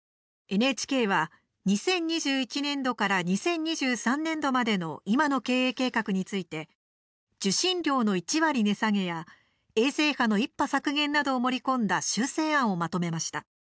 ＮＨＫは、２０２１年度から２０２３年度までの今の経営計画について受信料の１割値下げや衛星波の１波削減などを盛り込んだ修正案をまとめました。